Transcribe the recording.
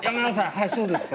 「はいそうですか」